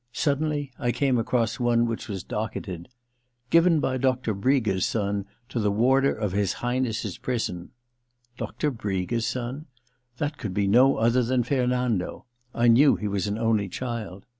Suddenly I came across one which was docketed :* Given by Doctor Briga's son to the warder of His Highness's prisons.' Doctor Brigas son ? That could be no other than Fernando : I knew he was an only child.